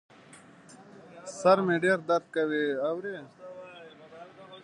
سر مي ډېر درد کوي ، اورې ؟